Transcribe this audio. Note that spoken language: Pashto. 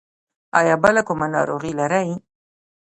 ایا بله کومه ناروغي لرئ؟